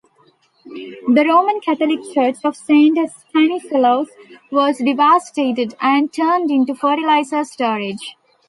The Roman Catholic church of Saint Stanislaus was devastated, and turned into fertilizer storage.